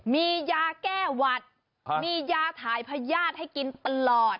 มียาแก้หวัดมียาถ่ายพญาติให้กินตลอด